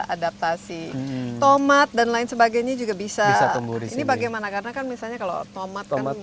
adaptasi tomat dan lain sebagainya juga bisa tumbuh di sini bagaimana karena kan misalnya kalau tomat